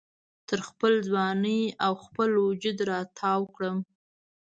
تر خپل ځوانۍ او خپل وجود را تاو کړم